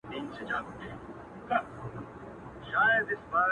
مري ارمان مي له بدنه یې ساه خېژي,